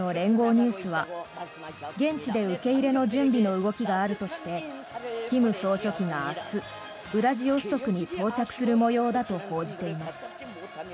ニュースは現地で受け入れの準備の動きがあるとして金総書記が明日ウラジオストクに到着する模様だと報じています。